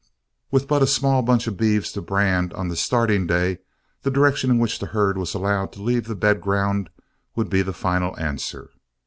With but a small bunch of beeves to brand on the starting day, the direction in which the herd was allowed to leave the bed ground would be the final answer.